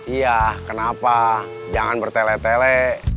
iya kenapa jangan bertele tele